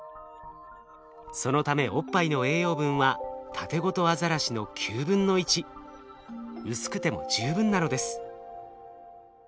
そのためおっぱいの栄養分はタテゴトアザラシの９分の１。薄くても十分なのです。